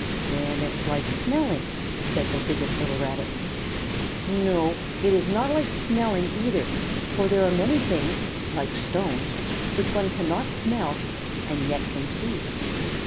"Then it is like smelling," said the biggest little Rabbit. "No, it is not like smelling, either, for there are many things, like stones, which one cannot smell and yet can see."